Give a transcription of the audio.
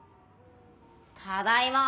ただいま！